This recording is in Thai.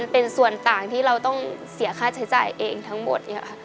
เป็นส่วนต่างที่เราต้องเสียค่าใช้จ่ายเองทั้งหมดค่ะ